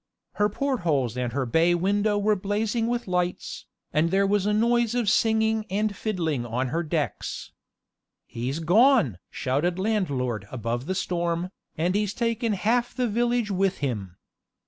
Her port holes and her bay window were blazing with lights, and there was a noise of singing and fiddling on her decks. "He's gone!" shouted landlord above the storm, "and he's taken half the village with him."